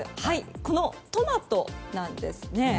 このトマトなんですね。